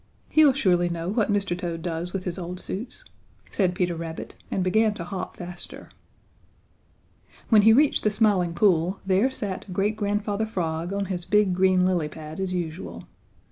He'll surely know what Mr. Toad does with his old suits," said Peter Rabbit, and began to hop faster. When he reached the Smiling Pool there sat Great Grandfather Frog on his big green lily pad as usual.